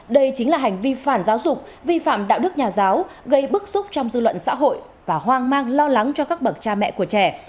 đây chính là hành vi phản giáo dục vi phạm đạo đức nhà giáo gây bức xúc trong dư luận xã hội và hoang mang lo lắng cho các bậc cha mẹ của trẻ